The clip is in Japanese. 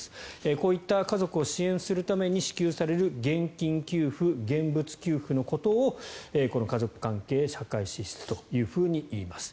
こういった家族を支援するために支給される現金支給、現物支給のことをこの家族関係社会支出といいます。